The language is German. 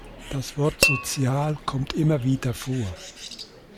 Das Wort "sozial" kommt immer wieder vor.